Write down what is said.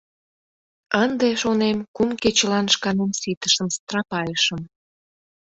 Ынде, шонем, кум кечылан шканем ситышым страпайышым.